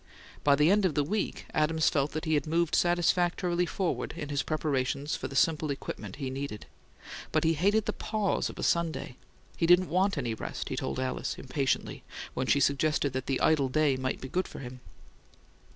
By the end of the week, Adams felt that he had moved satisfactorily forward in his preparations for the simple equipment he needed; but he hated the pause of Sunday. He didn't WANT any rest, he told Alice impatiently, when she suggested that the idle day might be good for him.